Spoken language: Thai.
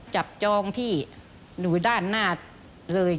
จับจองที่หนูด้านหน้าเลย